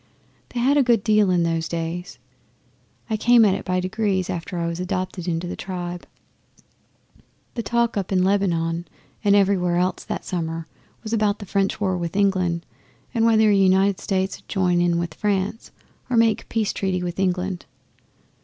They had a good deal in those days. I came at it by degrees, after I was adopted into the tribe. The talk up in Lebanon and everywhere else that summer was about the French war with England and whether the United States 'ud join in with France or make a peace treaty with England.